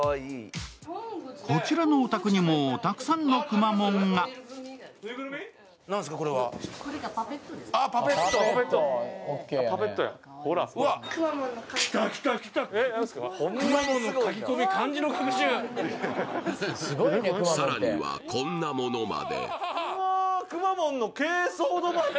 こちらのお宅にもたくさんのくまモンが更にはこんなものまで。